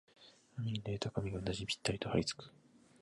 雨に濡れた髪がうなじにぴったりとはりつく